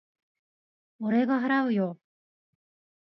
俺が払うよ。